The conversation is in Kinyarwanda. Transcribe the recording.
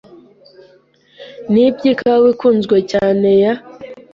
Nibye ikawa ikunzwe cyane ya .